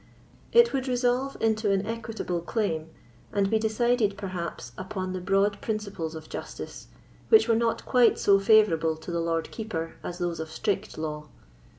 It would resolve into an equitable claim, and be decided, perhaps, upon the broad principles of justice, which were not quite so favourable to the Lord Keeper as those of strict law.